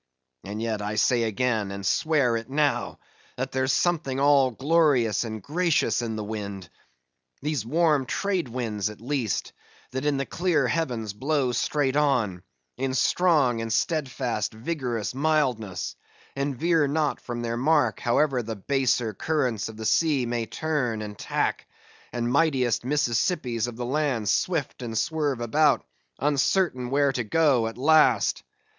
And yet, I say again, and swear it now, that there's something all glorious and gracious in the wind. These warm Trade Winds, at least, that in the clear heavens blow straight on, in strong and steadfast, vigorous mildness; and veer not from their mark, however the baser currents of the sea may turn and tack, and mightiest Mississippies of the land swift and swerve about, uncertain where to go at last.